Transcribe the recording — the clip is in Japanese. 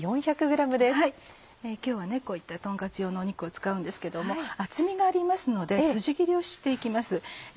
今日はこういったとんカツ用の肉を使うんですけども厚みがありますのでスジ切りをして行きます。